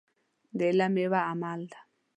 د علم ميوه عمل دی.